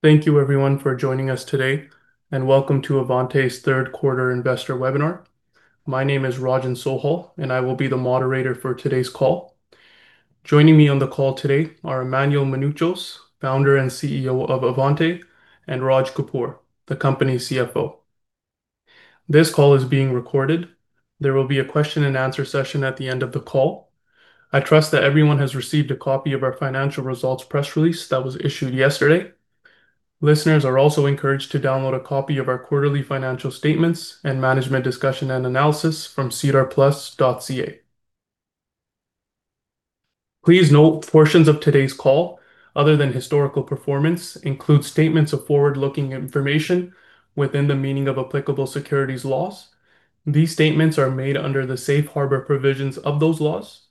Thank you everyone for joining us today, and Welcome to Avante's Third Quarter Investor Webinar. My name is Rajan Sohal, and I will be the moderator for today's call. Joining me on the call today are Emmanuel Mounouchos, Founder and CEO of Avante, and Raj Kapoor, the company's CFO. This call is being recorded. There will be a question-and-answer session at the end of the call. I trust that everyone has received a copy of our financial results press release that was issued yesterday. Listeners are also encouraged to download a copy of our quarterly financial statements and management discussion and analysis from sedarplus.ca. Please note, portions of today's call, other than historical performance, include statements of forward-looking information within the meaning of applicable securities laws. These statements are made under the safe harbor provisions of those laws.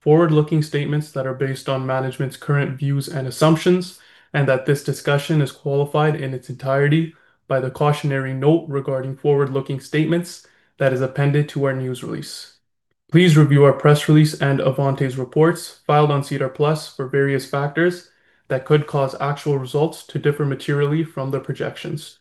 Forward-looking statements that are based on management's current views and assumptions, that this discussion is qualified in its entirety by the cautionary note regarding forward-looking statements that is appended to our news release. Please review our press release and Avante's reports filed on SEDAR+ for various factors that could cause actual results to differ materially from the projections.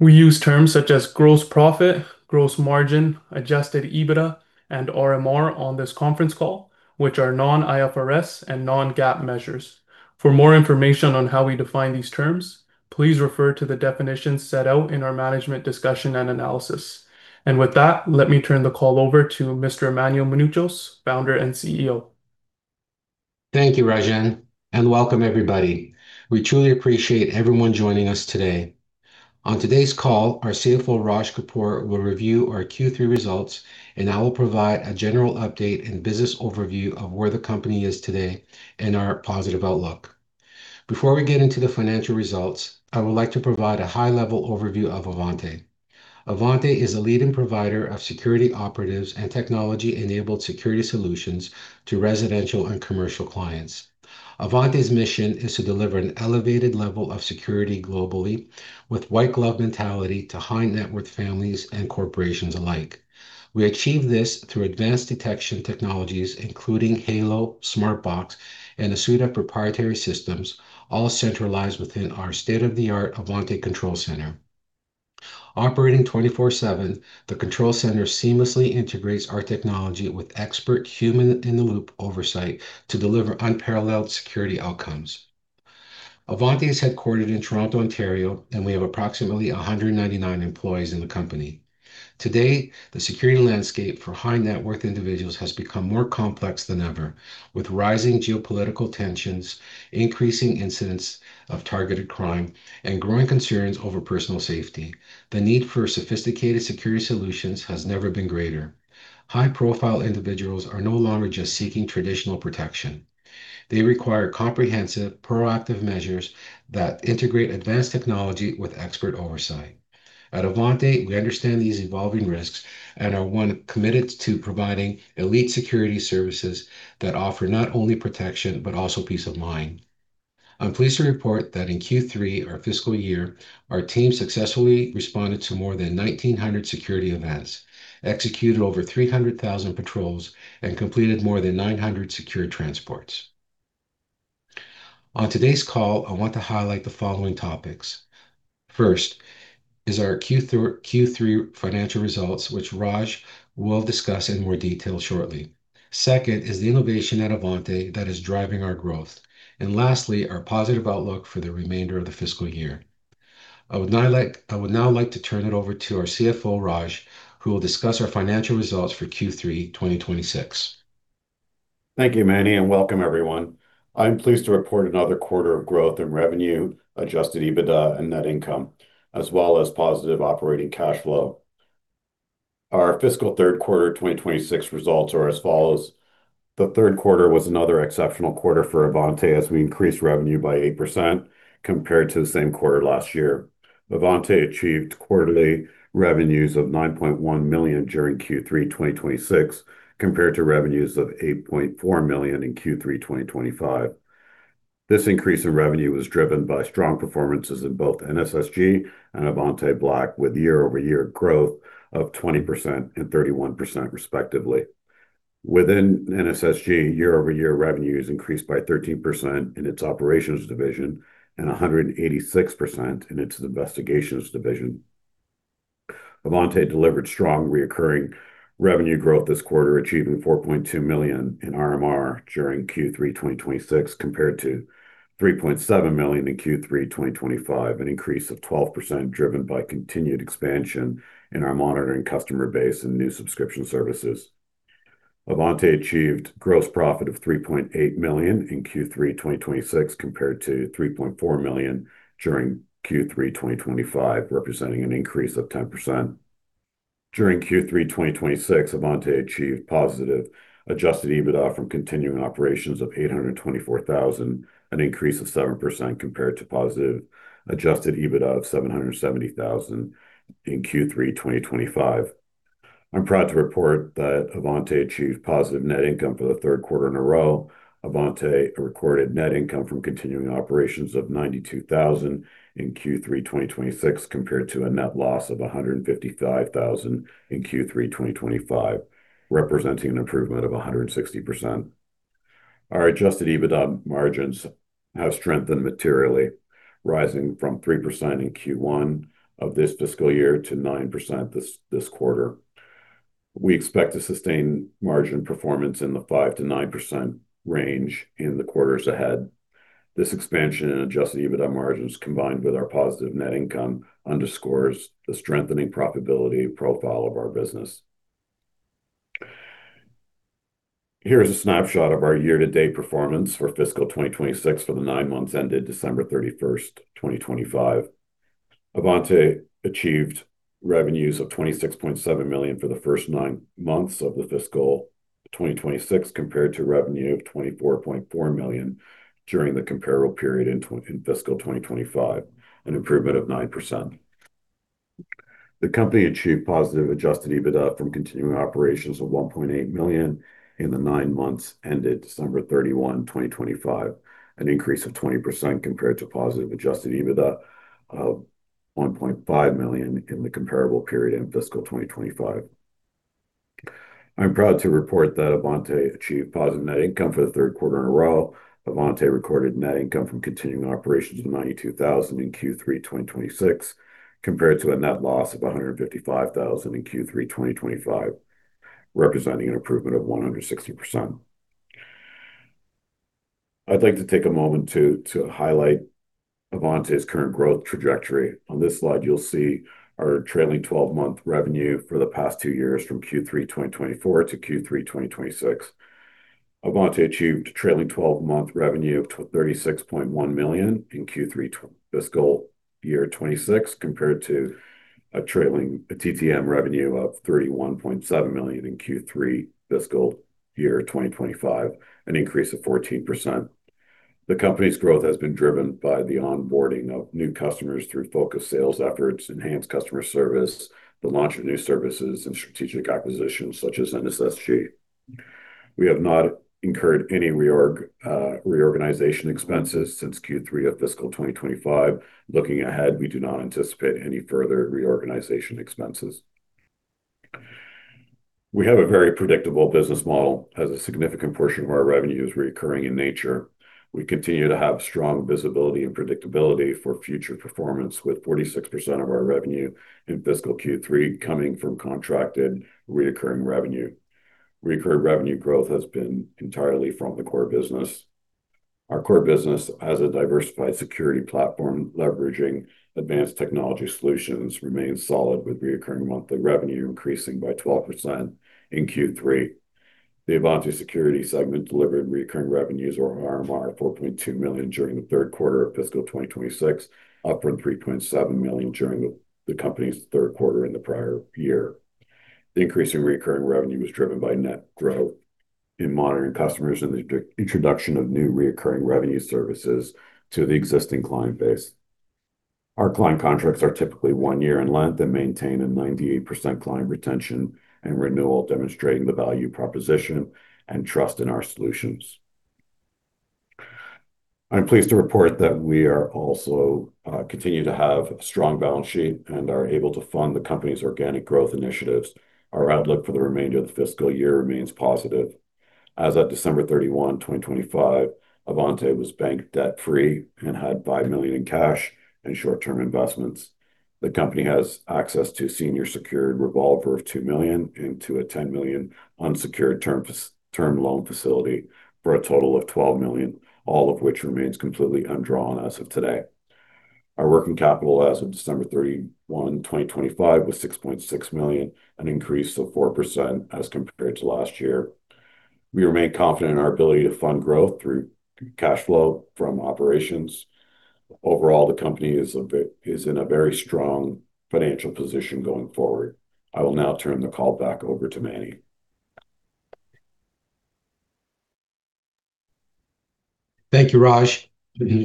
We use terms such as gross profit, gross margin, Adjusted EBITDA, and RMR on this conference call, which are non-IFRS and non-GAAP measures. For more information on how we define these terms, please refer to the definitions set out in our management discussion and analysis. With that, let me turn the call over to Mr. Emmanuel Mounouchos, Founder and CEO. Thank you, Rajan, and welcome everybody. We truly appreciate everyone joining us today. On today's call, our CFO, Raj Kapoor, will review our Q3 results, and I will provide a general update and business overview of where the company is today and our positive outlook. Before we get into the financial results, I would like to provide a high-level overview of Avante. Avante is a leading provider of security operatives and technology-enabled security solutions to residential and commercial clients. Avante's mission is to deliver an elevated level of security globally with white glove mentality to high-net-worth families and corporations alike. We achieve this through advanced detection technologies, including Halo, SmartBox, and a suite of proprietary systems, all centralized within our state-of-the-art Avante Control Center. Operating 24/7, the control center seamlessly integrates our technology with expert human-in-the-loop oversight to deliver unparalleled security outcomes. Avante is headquartered in Toronto, Ontario, and we have approximately 199 employees in the company. Today, the security landscape for high-net-worth individuals has become more complex than ever. With rising geopolitical tensions, increasing incidents of targeted crime, and growing concerns over personal safety, the need for sophisticated security solutions has never been greater. High-profile individuals are no longer just seeking traditional protection. They require comprehensive, proactive measures that integrate advanced technology with expert oversight. At Avante, we understand these evolving risks and are one committed to providing elite security services that offer not only protection but also peace of mind. I'm pleased to report that in Q3 of our fiscal year, our team successfully responded to more than 1,900 security events, executed over 300,000 patrols, and completed more than 900 secure transports. On today's call, I want to highlight the following topics. First is our Q3 financial results, which Raj will discuss in more detail shortly. Second is the innovation at Avante that is driving our growth. Lastly, our positive outlook for the remainder of the fiscal year. I would now like to turn it over to our CFO, Raj, who will discuss our financial results for Q3 2026. Thank you, Manny. Welcome everyone. I'm pleased to report another quarter of growth in revenue, Adjusted EBITDA and net income, as well as positive operating cash flow. Our fiscal third quarter 2026 results are as follows. The third quarter was another exceptional quarter for Avante as we increased revenue by 8% compared to the same quarter last year. Avante achieved quarterly revenues of 9.1 million during Q3 2026, compared to revenues of 8.4 million in Q3 2025. This increase in revenue was driven by strong performances in both NSSG and Avante Black, with year-over-year growth of 20% and 31% respectively. Within NSSG, year-over-year revenues increased by 13% in its operations division and 186% in its investigations division. Avante delivered strong reoccurring revenue growth this quarter, achieving 4.2 million in RMR during Q3 2026 compared to 3.7 million in Q3 2025, an increase of 12% driven by continued expansion in our monitoring customer base and new subscription services. Avante achieved gross profit of 3.8 million in Q3 2026 compared to 3.4 million during Q3 2025, representing an increase of 10%. During Q3 2026, Avante achieved positive Adjusted EBITDA from continuing operations of 824,000, an increase of 7% compared to positive Adjusted EBITDA of 770,000 in Q3 2025. I'm proud to report that Avante achieved positive net income for the third quarter in a row. Avante recorded net income from continuing operations of 92,000 in Q3 2026 compared to a net loss of 155,000 in Q3 2025, representing an improvement of 160%. Our Adjusted EBITDA margins have strengthened materially, rising from 3% in Q1 of this fiscal year to 9% this quarter. We expect to sustain margin performance in the 5%-9% range in the quarters ahead. This expansion in Adjusted EBITDA margins, combined with our positive net income, underscores the strengthening profitability profile of our business. Here is a snapshot of our year-to-date performance for fiscal 2026 for the nine months ended December 31st, 2025. Avante achieved revenues of 26.7 million for the first nine months of the fiscal 2026 compared to revenue of 24.4 million during the comparable period in fiscal 2025, an improvement of 9%. The company achieved positive Adjusted EBITDA from continuing operations of 1.8 million in the nine months ended December 31, 2025, an increase of 20% compared to positive Adjusted EBITDA of 1.5 million in the comparable period in fiscal 2025. I'm proud to report that Avante achieved positive net income for the third quarter in a row. Avante recorded net income from continuing operations of 92,000 in Q3 2026 compared to a net loss of 155,000 in Q3 2025, representing an improvement of 160%. I'd like to take a moment to highlight Avante's current growth trajectory. On this slide, you'll see our trailing twelve-month revenue for the past two years from Q3 2024 to Q3 2026. Avante achieved trailing 12-month revenue of 36.1 million in Q3 fiscal year 2026 compared to a trailing TTM revenue of 31.7 million in Q3 fiscal year 2025, an increase of 14%. The company's growth has been driven by the onboarding of new customers through focused sales efforts, enhanced customer service, the launch of new services, and strategic acquisitions such as NSSG. We have not incurred any reorganization expenses since Q3 of fiscal 2025. Looking ahead, we do not anticipate any further reorganization expenses. We have a very predictable business model as a significant portion of our revenue is reoccurring in nature. We continue to have strong visibility and predictability for future performance with 46% of our revenue in fiscal Q3 coming from contracted recurring revenue. Recurring revenue growth has been entirely from the core business. Our core business as a diversified security platform leveraging advanced technology solutions remains solid with recurring monthly revenue increasing by 12% in Q3. The Avante Security segment delivered recurring revenues or RMR of 4.2 million during the third quarter of fiscal 2026, up from 3.7 million during the company's third quarter in the prior year. The increase in recurring revenue was driven by net growth in monitoring customers and the introduction of new recurring revenue services to the existing client base. Our client contracts are typically one year in length and maintain a 98% client retention and renewal, demonstrating the value proposition and trust in our solutions. I'm pleased to report that we are also continue to have a strong balance sheet and are able to fund the company's organic growth initiatives. Our outlook for the remainder of the fiscal year remains positive. As at December 31, 2025, Avante was bank debt-free and had 5 million in cash and short-term investments. The company has access to senior secured revolver of 2 million and to a 10 million unsecured term loan facility for a total of 12 million, all of which remains completely undrawn as of today. Our working capital as of December 31, 2025 was 6.6 million, an increase of 4% as compared to last year. We remain confident in our ability to fund growth through cash flow from operations. Overall, the company is in a very strong financial position going forward. I will now turn the call back over to Manny. Thank you, Raj.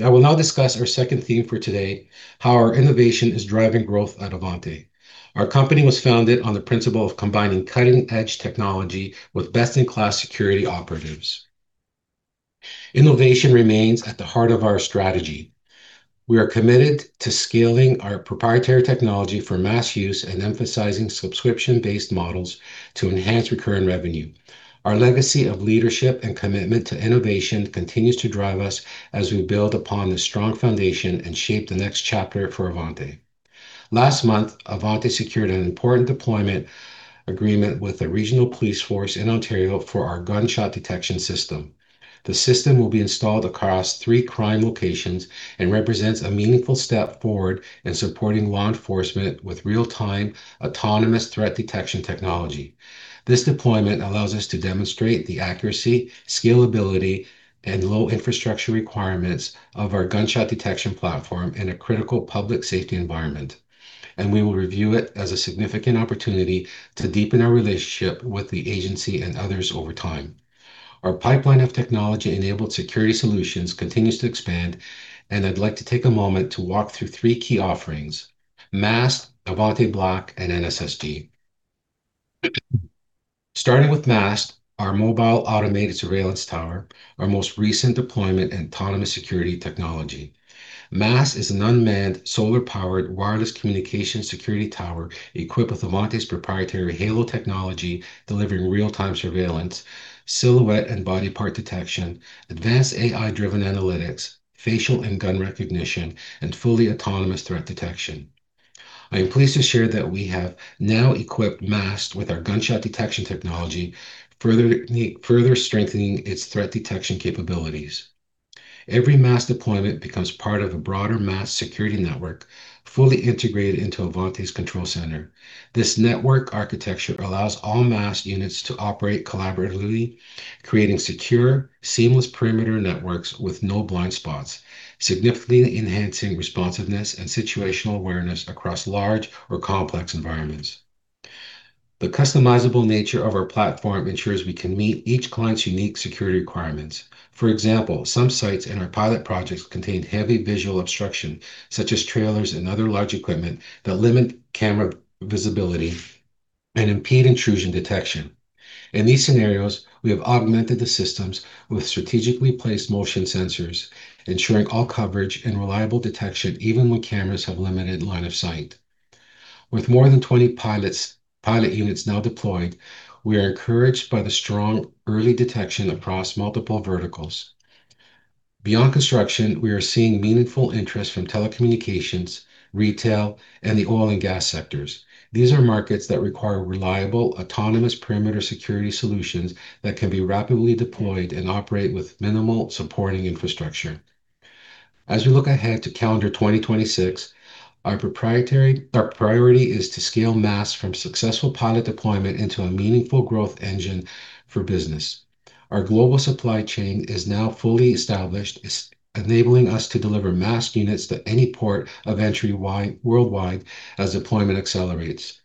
I will now discuss our second theme for today, how our innovation is driving growth at Avante. Our company was founded on the principle of combining cutting-edge technology with best-in-class security operatives. Innovation remains at the heart of our strategy. We are committed to scaling our proprietary technology for mass use and emphasizing subscription-based models to enhance recurring revenue. Our legacy of leadership and commitment to innovation continues to drive us as we build upon the strong foundation and shape the next chapter for Avante. Last month, Avante secured an important deployment agreement with the Ontario Regional Police Force for our Gunshot Detection system. The system will be installed across three crime locations and represents a meaningful step forward in supporting law enforcement with real-time autonomous threat detection technology. This deployment allows us to demonstrate the accuracy, scalability, and low infrastructure requirements of our Gunshot Detection platform in a critical public safety environment. We will review it as a significant opportunity to deepen our relationship with the agency and others over time. Our pipeline of technology-enabled security solutions continues to expand. I'd like to take a moment to walk through three key offerings: MAST, Avante Black, and NSSG. Starting with MAST, our mobile automated surveillance tower, our most recent deployment and autonomous security technology. MAST is an unmanned solar-powered wireless communication security tower equipped with Avante's proprietary Halo technology delivering real-time surveillance, silhouette and body part detection, advanced AI-driven analytics, facial and gun recognition, and fully autonomous threat detection. I am pleased to share that we have now equipped MAST with our Gunshot Detection technology, further strengthening its threat detection capabilities. Every MAST deployment becomes part of a broader MAST security network, fully integrated into Avante Control Center. This network architecture allows all MAST units to operate collaboratively, creating secure, seamless perimeter networks with no blind spots, significantly enhancing responsiveness and situational awareness across large or complex environments. The customizable nature of our platform ensures we can meet each client's unique security requirements. For example, some sites in our pilot projects contain heavy visual obstruction, such as trailers and other large equipment that limit camera visibility and impede intrusion detection. In these scenarios, we have augmented the systems with strategically placed motion sensors, ensuring all coverage and reliable detection even when cameras have limited line of sight. With more than 20 pilot units now deployed, we are encouraged by the strong early detection across multiple verticals. Beyond construction, we are seeing meaningful interest from telecommunications, retail, and the oil and gas sectors. These are markets that require reliable, autonomous perimeter security solutions that can be rapidly deployed and operate with minimal supporting infrastructure. As we look ahead to calendar 2026, our priority is to scale MAST from successful pilot deployment into a meaningful growth engine for business. Our global supply chain is now fully established, enabling us to deliver MAST units to any port of entry worldwide as deployment accelerates.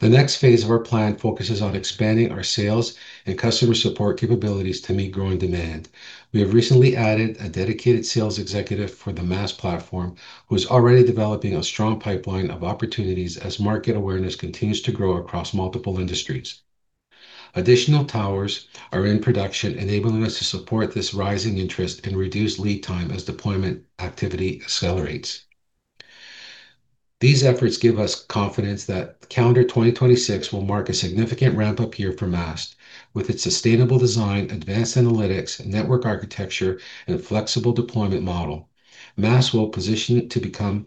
The next phase of our plan focuses on expanding our sales and customer support capabilities to meet growing demand. We have recently added a dedicated sales executive for the MAST platform, who is already developing a strong pipeline of opportunities as market awareness continues to grow across multiple industries. Additional towers are in production, enabling us to support this rising interest and reduce lead time as deployment activity accelerates. These efforts give us confidence that calendar 2026 will mark a significant ramp-up year for MAST. With its sustainable design, advanced analytics, network architecture, and flexible deployment model, MAST will position it to become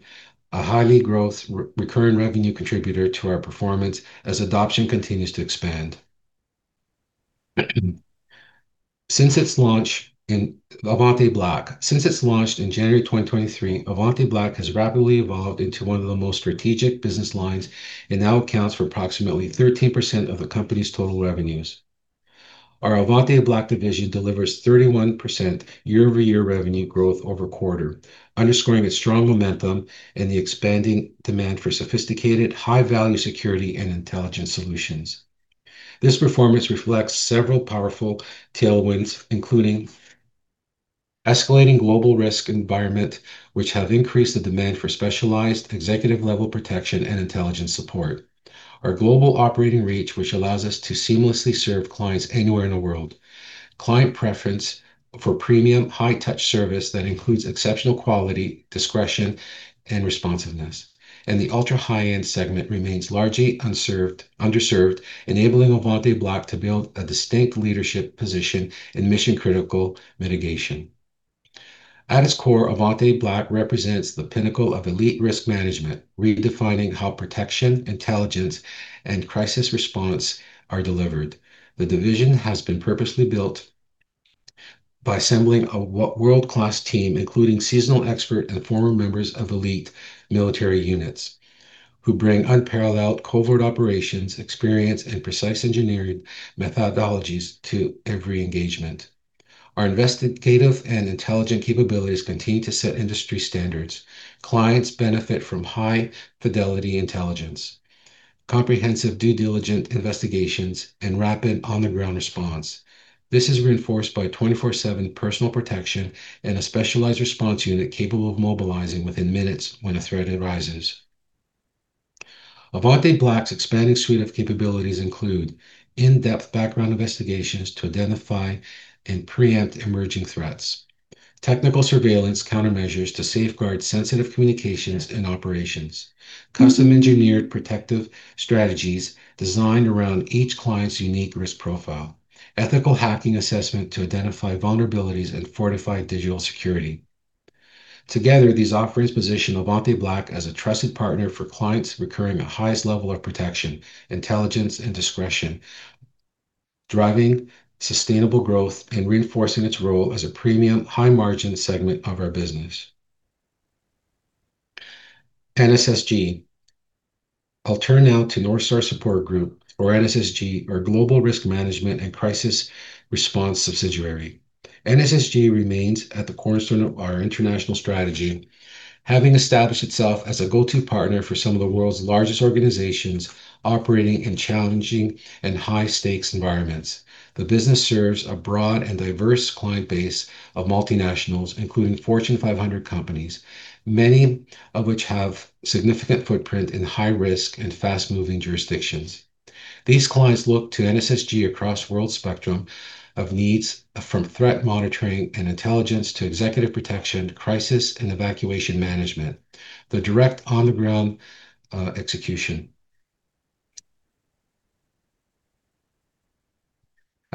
a highly growth re-recurring revenue contributor to our performance as adoption continues to expand. Since its launch in January 2023, Avante Black has rapidly evolved into one of the most strategic business lines and now accounts for approximately 13% of the company's total revenues. Our Avante Black division delivers 31% year-over-year revenue growth over quarter, underscoring its strong momentum and the expanding demand for sophisticated, high-value security and intelligence solutions. This performance reflects several powerful tailwinds, including escalating global risk environment, which have increased the demand for specialized executive-level protection and intelligence support. Our global operating reach, which allows us to seamlessly serve clients anywhere in the world. Client preference for premium high-touch service that includes exceptional quality, discretion, and responsiveness. The ultra-high-end segment remains largely underserved, enabling Avante Black to build a distinct leadership position in mission-critical mitigation. At its core, Avante Black represents the pinnacle of elite risk management, redefining how protection, intelligence, and crisis response are delivered. The division has been purposely built by assembling a world-class team, including seasonal expert and former members of elite military units, who bring unparalleled covert operations experience and precise engineering methodologies to every engagement. Our investigative and intelligent capabilities continue to set industry standards. Clients benefit from high-fidelity intelligence, comprehensive due diligent investigations, and rapid on-the-ground response. This is reinforced by 24/7 personal protection and a specialized response unit capable of mobilizing within minutes when a threat arises. Avante Black's expanding suite of capabilities include in-depth background investigations to identify and preempt emerging threats, technical surveillance countermeasures to safeguard sensitive communications and operations, custom-engineered protective strategies designed around each client's unique risk profile, ethical hacking assessment to identify vulnerabilities and fortify digital security. Together, these offerings position Avante Black as a trusted partner for clients recurring the highest level of protection, intelligence, and discretion, driving sustainable growth and reinforcing its role as a premium high-margin segment of our business. NSSG. I'll turn now to North Star Support Group, or NSSG, our global risk management and crisis response subsidiary. NSSG remains at the cornerstone of our international strategy, having established itself as a go-to partner for some of the world's largest organizations operating in challenging and high-stakes environments. The business serves a broad and diverse client base of multinationals, including Fortune 500 companies, many of which have significant footprint in high-risk and fast-moving jurisdictions. These clients look to NSSG across world spectrum of needs from threat monitoring and intelligence to executive protection, crisis, and evacuation management. The direct on-the-ground execution.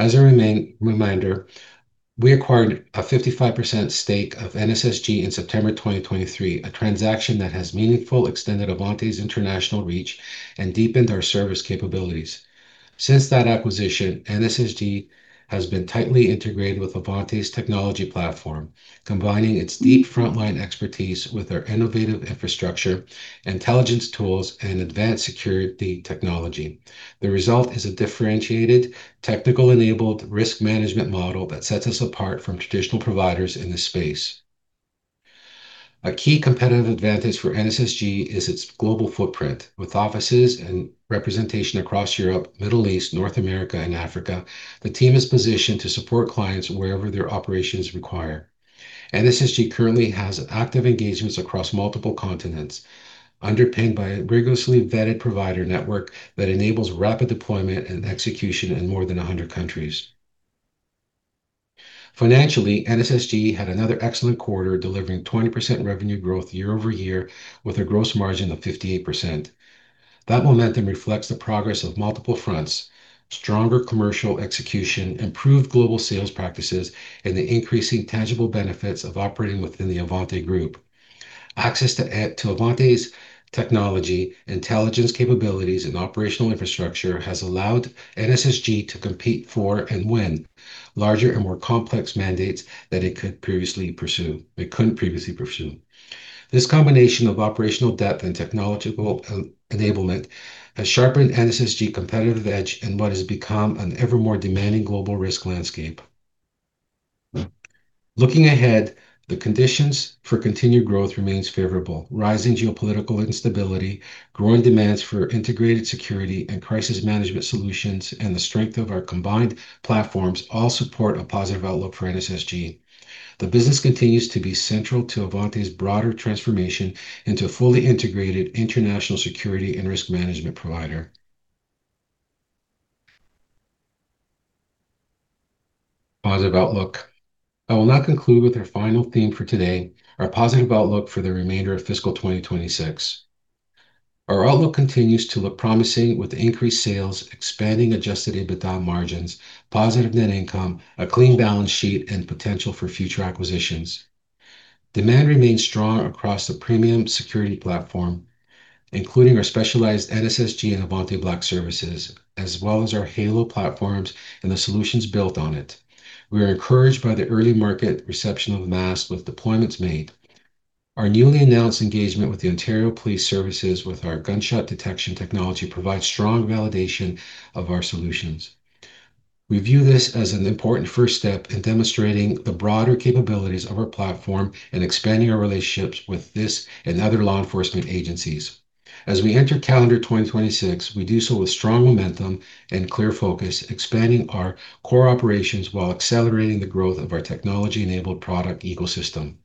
As a reminder, we acquired a 55% stake of NSSG in September 2023, a transaction that has meaningful extended Avante's international reach and deepened our service capabilities. Since that acquisition, NSSG has been tightly integrated with Avante's technology platform, combining its deep frontline expertise with our innovative infrastructure, intelligence tools, and advanced security technology. The result is a differentiated technical-enabled risk management model that sets us apart from traditional providers in this space. A key competitive advantage for NSSG is its global footprint. With offices and representation across Europe, Middle East, North America, and Africa, the team is positioned to support clients wherever their operations require. NSSG currently has active engagements across multiple continents, underpinned by a rigorously vetted provider network that enables rapid deployment and execution in more than 100 countries. Financially, NSSG had another excellent quarter, delivering 20% revenue growth year-over-year with a gross margin of 58%. That momentum reflects the progress of multiple fronts: stronger commercial execution, improved global sales practices, and the increasing tangible benefits of operating within the Avante group. Access to Avante's technology, intelligence capabilities, and operational infrastructure has allowed NSSG to compete for and win larger and more complex mandates that it couldn't previously pursue. This combination of operational depth and technological e-enablement has sharpened NSSG competitive edge in what has become an ever more demanding global risk landscape. Looking ahead, the conditions for continued growth remains favorable. Rising geopolitical instability, growing demands for integrated security and crisis management solutions, and the strength of our combined platforms all support a positive outlook for NSSG. The business continues to be central to Avante's broader transformation into a fully integrated international security and risk management provider. Positive outlook. I will now conclude with our final theme for today, our positive outlook for the remainder of fiscal 2026. Our outlook continues to look promising with increased sales, expanding Adjusted EBITDA margins, positive net income, a clean balance sheet, and potential for future acquisitions. Demand remains strong across the premium security platform, including our specialized NSSG and Avante Black services, as well as our Halo platforms and the solutions built on it. We are encouraged by the early market reception of MAST with deployments made. Our newly announced engagement with the Ontario Police Services with our Gunshot Detection technology provides strong validation of our solutions. We view this as an important first step in demonstrating the broader capabilities of our platform and expanding our relationships with this and other law enforcement agencies. As we enter calendar 2026, we do so with strong momentum and clear focus, expanding our core operations while accelerating the growth of our technology-enabled product ecosystem.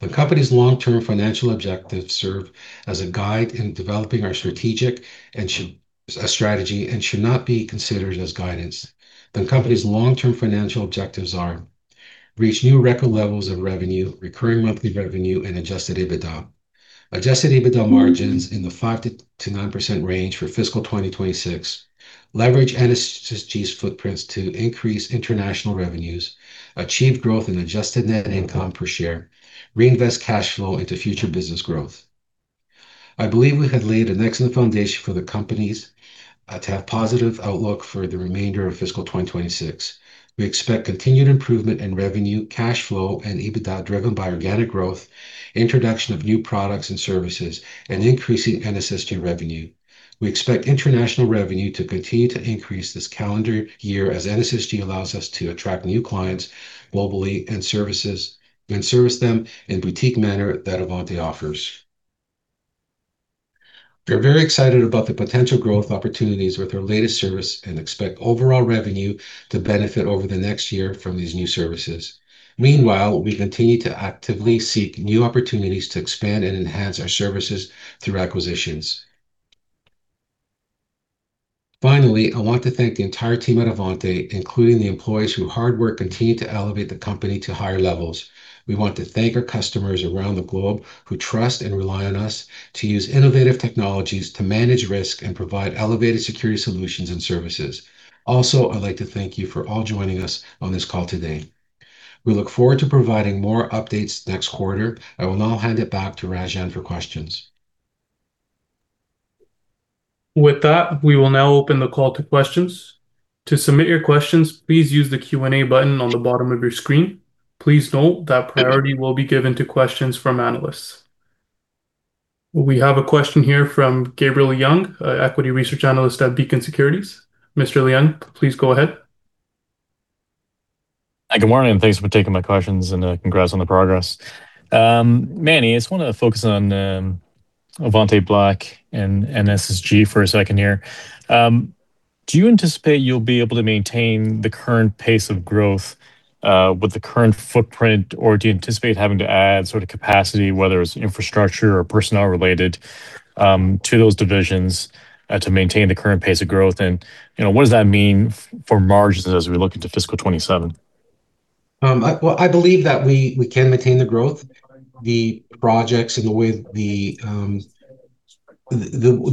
The company's long-term financial objectives serve as a guide in developing our strategy and should not be considered as guidance. The company's long-term financial objectives are: reach new record levels of revenue, recurring monthly revenue, and Adjusted EBITDA. Adjusted EBITDA margins in the 5%-9% range for fiscal 2026. Leverage NSSG's footprints to increase international revenues. Achieve growth in adjusted net income per share. Reinvest cash flow into future business growth. I believe we have laid an excellent foundation for the companies to have positive outlook for the remainder of fiscal 2026. We expect continued improvement in revenue, cash flow, and EBITDA driven by organic growth, introduction of new products and services, and increasing NSSG revenue. We expect international revenue to continue to increase this calendar year as NSSG allows us to attract new clients globally and service them in boutique manner that Avante offers. We're very excited about the potential growth opportunities with our latest service and expect overall revenue to benefit over the next year from these new services. Meanwhile, we continue to actively seek new opportunities to expand and enhance our services through acquisitions. Finally, I want to thank the entire team at Avante, including the employees whose hard work continue to elevate the company to higher levels. We want to thank our customers around the globe who trust and rely on us to use innovative technologies to manage risk and provide elevated security solutions and services. I'd like to thank you for all joining us on this call today. We look forward to providing more updates next quarter. I will now hand it back to Rajan for questions. With that, we will now open the call to questions. To submit your questions, please use the Q&A button on the bottom of your screen. Please note that priority will be given to questions from analysts. We have a question here from Gabriel Leung, equity research analyst at Beacon Securities. Mr. Leung, please go ahead. Hi, good morning, and thanks for taking my questions and congrats on the progress. Manny, I just wanna focus on Avante Black and NSSG for a second here. Do you anticipate you'll be able to maintain the current pace of growth with the current footprint, or do you anticipate having to add sort of capacity, whether it's infrastructure or personnel related, to those divisions to maintain the current pace of growth? You know, what does that mean for margins as we look into fiscal 2027? Well, I believe that we can maintain the growth. The projects and the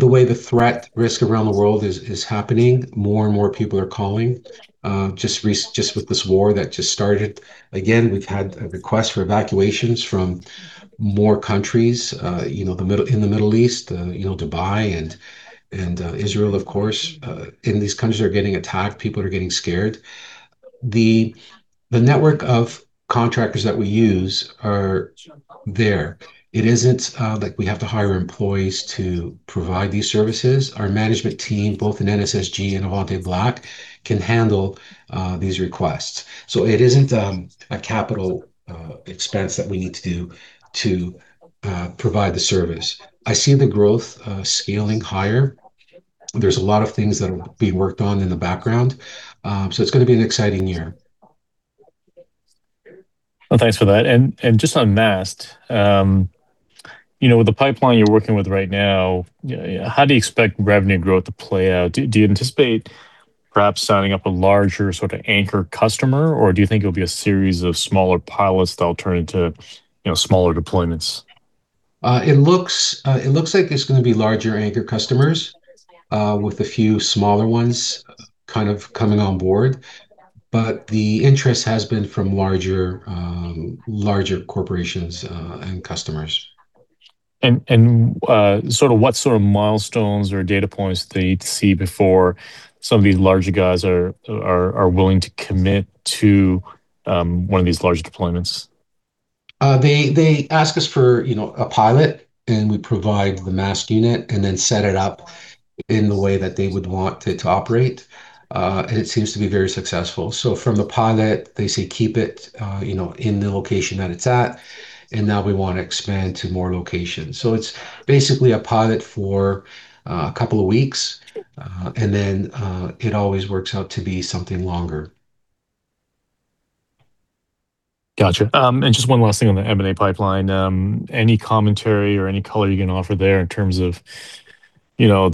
way the threat risk around the world is happening, more and more people are calling. Just with this war that just started. Again, we've had a request for evacuations from more countries, you know, in the Middle East, you know, Dubai and Israel, of course. These countries are getting attacked, people are getting scared. The network of contractors that we use are there. It isn't like we have to hire employees to provide these services. Our management team, both in NSSG and Avante Black, can handle these requests. It isn't a capital expense that we need to do to provide the service. I see the growth scaling higher. There's a lot of things that are being worked on in the background. It's gonna be an exciting year. Well, thanks for that. Just on MAST, you know, with the pipeline you're working with right now, you know, how do you expect revenue growth to play out? Do you anticipate perhaps signing up a larger sort of anchor customer, or do you think it'll be a series of smaller pilots that'll turn into, you know, smaller deployments? It looks like it's gonna be larger anchor customers, with a few smaller ones coming on board. The interest has been from larger corporations, and customers. sort of what sort of milestones or data points do you need to see before some of these larger guys are willing to commit to, one of these larger deployments? They ask us for, you know, a pilot, and we provide the MAST unit and then set it up in the way that they would want it to operate. It seems to be very successful. From the pilot, they say, "Keep it, you know, in the location that it's at, and now we wanna expand to more locations." It's basically a pilot for a couple of weeks, then it always works out to be something longer. Gotcha. Just one last thing on the M&A pipeline. Any commentary or any color you can offer there in terms of, you know,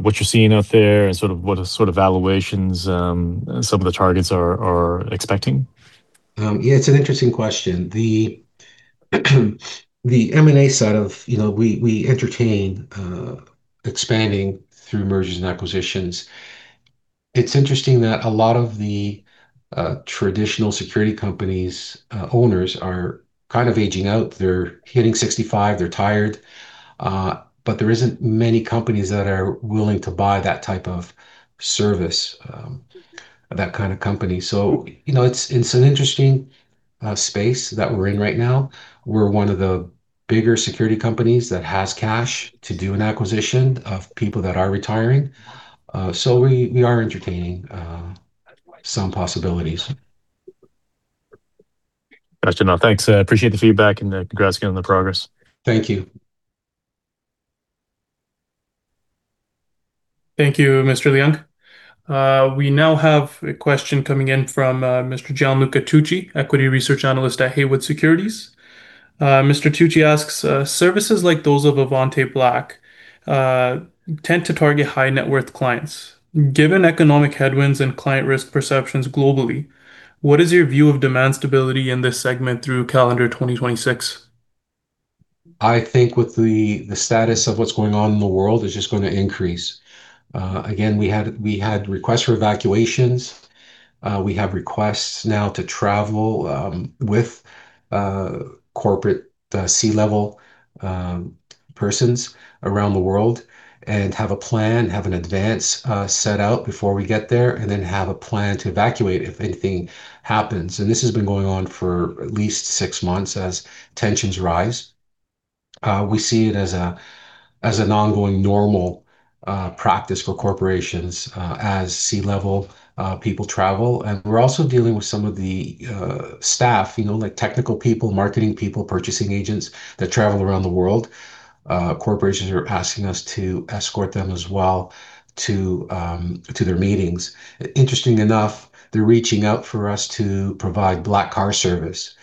what you're seeing out there and sort of what sort of valuations some of the targets are expecting? Yeah, it's an interesting question. The M&A side of, you know, we entertain expanding through mergers and acquisitions. It's interesting that a lot of the traditional security companies, owners are kind of aging out. They're hitting 65, they're tired. There isn't many companies that are willing to buy that type of service, that kind of company. You know, it's an interesting space that we're in right now. We're one of the bigger security companies that has cash to do an acquisition of people that are retiring. We are entertaining some possibilities. Gotcha. No, thanks. I appreciate the feedback, and congrats again on the progress. Thank you. Thank you, Mr. Leung. We now have a question coming in from Mr. Gianluca Tucci, equity research analyst at Haywood Securities. Mr. Tucci asks, "Services like those of Avante Black tend to target high net worth clients. Given economic headwinds and client risk perceptions globally, what is your view of demand stability in this segment through calendar 2026? I think with the status of what's going on in the world, it's just gonna increase. Again, we had requests for evacuations. We have requests now to travel with corporate C-level persons around the world and have a plan, have an advance set out before we get there, and then have a plan to evacuate if anything happens. This has been going on for at least six months as tensions rise. We see it as an ongoing normal practice for corporations as C-level people travel. We're also dealing with some of the staff, you know, like technical people, marketing people, purchasing agents that travel around the world. Corporations are asking us to escort them as well to their meetings. Interesting enough, they're reaching out for us to provide black car service.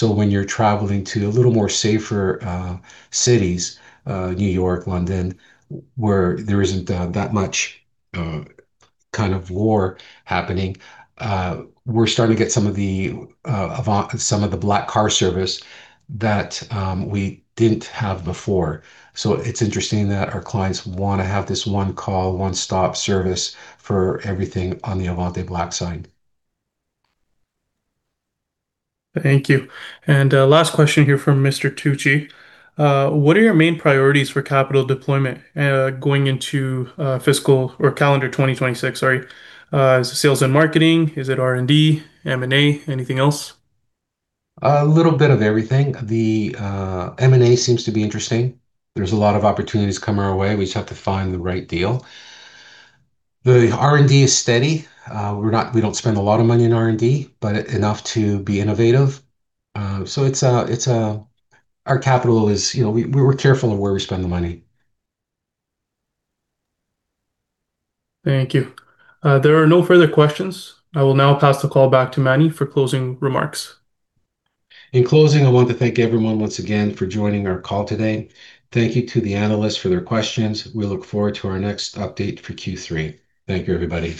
When you're traveling to a little more safer cities, New York, London, where there isn't that much kind of war happening, we're starting to get some of the black car service that we didn't have before. It's interesting that our clients wanna have this one call, one stop service for everything on the Avante Black side. Thank you. Last question here from Mr. Tucci. What are your main priorities for capital deployment going into fiscal or calendar 2026, sorry? Is it sales and marketing? Is it R&D, M&A, anything else? A little bit of everything. The M&A seems to be interesting. There's a lot of opportunities coming our way. We just have to find the right deal. The R&D is steady. we don't spend a lot of money on R&D, but enough to be innovative. Our capital is, you know, we're careful of where we spend the money. Thank you. There are no further questions. I will now pass the call back to Manny for closing remarks. In closing, I want to thank everyone once again for joining our call today. Thank you to the analysts for their questions. We look forward to our next update for Q3. Thank you, everybody.